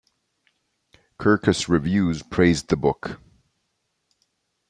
Kirkus Reviews praised the book.